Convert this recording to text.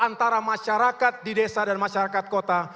antara masyarakat di desa dan masyarakat kota